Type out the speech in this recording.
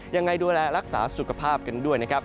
ยังไงดูแลรักษาสุขภาพกันด้วยนะครับ